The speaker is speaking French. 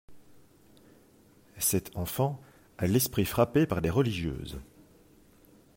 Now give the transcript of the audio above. Cette enfant a l'esprit frappé par les religieuses.